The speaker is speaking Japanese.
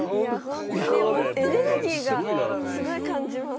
エネルギーがすごい感じます。